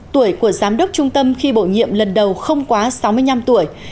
tuổi của giám đốc trung tâm khi bổ nhiệm lần đầu không quá sáu mươi năm tuổi